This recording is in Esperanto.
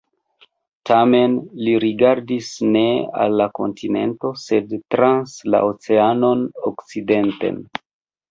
Tamen li rigardis ne al la kontinento, sed trans la oceanon, okcidenten.